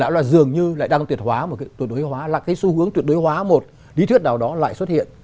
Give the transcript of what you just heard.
là dường như lại đang tuyệt hóa một cái tuyệt đối hóa là cái xu hướng tuyệt đối hóa một lý thuyết nào đó lại xuất hiện